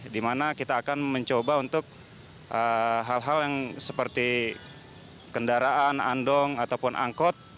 dimana kita akan mencoba untuk hal hal yang seperti kendaraan andong ataupun angkot